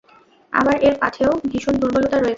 আবার এর পাঠেও ভীষণ দুর্বলতা রয়েছে।